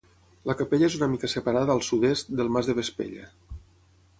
La capella és una mica separada al sud-est del mas de Vespella.